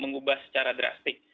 mengubah secara drastik